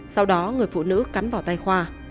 sau đó người phụ nữ cắn vào tay khoa